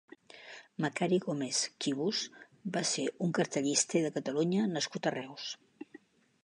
Macari Gómez Quibus va ser un cartellista de Catalunya nascut a Reus.